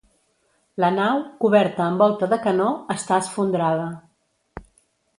La nau, coberta amb volta de canó, està esfondrada.